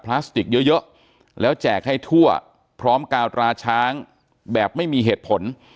พลาสติกเยอะแล้วแจกให้ทั่วพร้อมกาวตราช้างแบบไม่มีเหตุผล